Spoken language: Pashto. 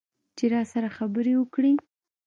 چې راسره خبرې وکړي.